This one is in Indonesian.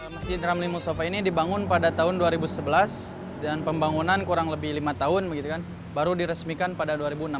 masjid ramli mustafa ini dibangun pada tahun dua ribu sebelas dan pembangunan kurang lebih lima tahun baru diresmikan pada dua ribu enam belas